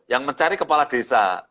yang mencari kepala desa